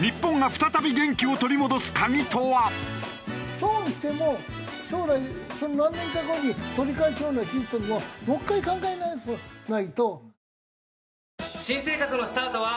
損しても将来その何年か後に取り返すようなシステムをもう１回考え直しとかないと。